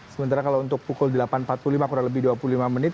sementara kalau untuk pukul delapan empat puluh lima kurang lebih dua puluh lima menit